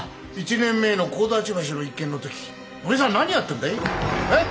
１年前の神立橋の一件の時おめえさん何やったんだいえ！？